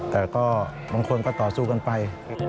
แต่ก็บางคนก็ต่อสู้กันไป